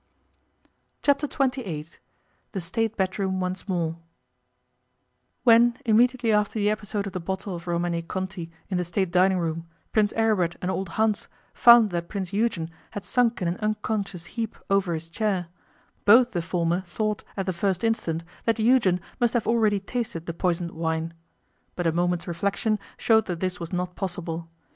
Chapter Twenty Eight THE STATE BEDROOM ONCE MORE WHEN, immediately after the episode of the bottle of Romanée Conti in the State dining room, Prince Aribert and old Hans found that Prince Eugen had sunk in an unconscious heap over his chair, both the former thought, at the first instant, that Eugen must have already tasted the poisoned wine. But a moment's reflection showed that this was not possible.